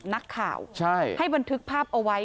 นักข่าวให้บันทึกภาพเอาไว้